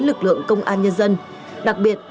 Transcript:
lực lượng công an nhân dân đặc biệt